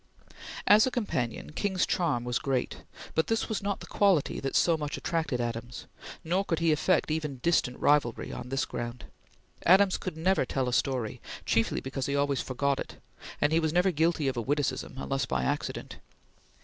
As a companion, King's charm was great, but this was not the quality that so much attracted Adams, nor could he affect even distant rivalry on this ground. Adams could never tell a story, chiefly because he always forgot it; and he was never guilty of a witticism, unless by accident.